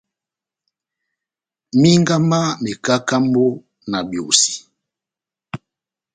Minga má mekakambo na biosi.